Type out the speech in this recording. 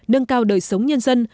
nâng cao đời sống nhân dân